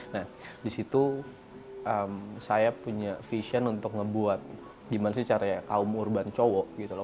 nah disitu saya punya vision untuk ngebuat dimensi caranya kaum urban cowok gitu loh